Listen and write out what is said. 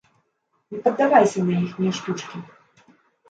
Не паддавайся на іхнія штучкі.